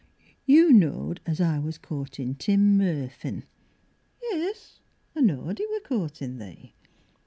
You knowed as I was courtin' Tim Merfin. Yis, I knowed 'e wor courtin' thee.